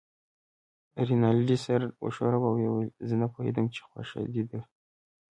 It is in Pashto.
رینالډي سر و ښوراوه او ویې ویل: زه نه پوهېدم چې خوښه دې ده.